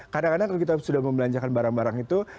kadang kadang kalau kita sudah membelanjakan barang barang itu